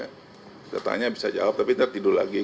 kita tanya bisa jawab tapi nanti tidur lagi gitu loh